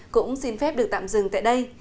cũng xin phép được tạm dừng tại đây